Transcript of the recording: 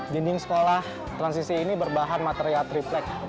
dinding sekolah transisi ini berbahan material triplek